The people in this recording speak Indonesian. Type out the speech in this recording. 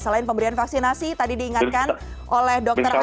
selain pemberian vaksinasi tadi diingatkan oleh dr adib